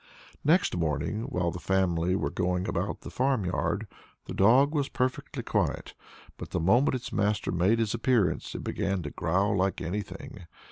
Next morning, while the family were going about the farmyard, the dog was perfectly quiet. But the moment its master made his appearance, it began to growl like anything.